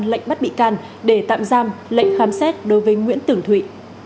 lệnh bắt bị can để tạm giam lệnh khám xét đối với nguyễn tưởng thụy